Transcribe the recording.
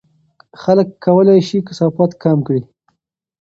خلک کولای شي کثافات کم کړي.